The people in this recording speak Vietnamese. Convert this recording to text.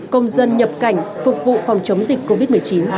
công dân nhập cảnh phục vụ phòng chống dịch covid một mươi chín